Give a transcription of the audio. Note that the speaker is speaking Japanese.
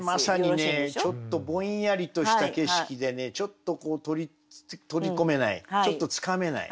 まさにねちょっとぼんやりとした景色でねちょっと取り込めないちょっとつかめない。